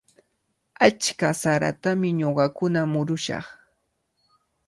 Achka saratami ñuqakuna murushaq.